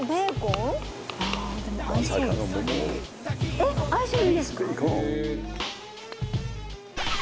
えっ相性いいんですか？